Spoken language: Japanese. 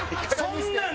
そんなん！